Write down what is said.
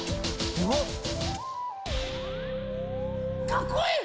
かっこいい！